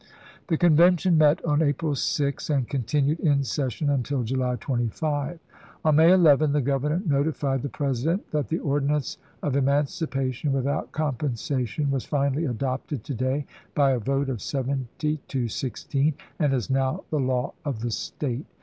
The Convention met on April 6, and continued in session until July 25. On May 11, the Governor notified the President that " the ordinance of eman cipation without compensation was finally adopted to day by a vote of seventy to sixteen, and is now the law of the State."